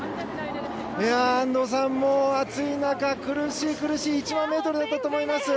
安藤さん、暑い中苦しい苦しい１００００ｍだったと思います。